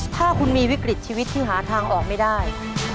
ถ้าคุณมีวิกฤตชีวิตที่หาทางออกไม่ได้